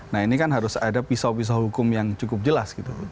nah ini kan harus ada pisau pisau hukum yang cukup jelas gitu